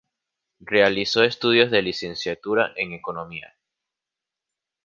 Realizó estudios de licenciatura en Economía.